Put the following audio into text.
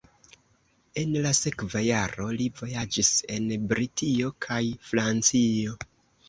En la sekva jaro li vojaĝis en Britio kaj Francio.